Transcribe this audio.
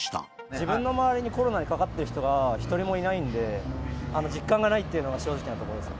自分の周りに、コロナにかかってる人が一人もいないんで、実感がないっていうのが正直なところです。